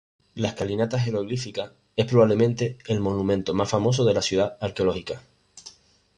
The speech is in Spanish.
La Escalinata Jeroglífica es probablemente el monumento más famoso de la ciudad arqueológica.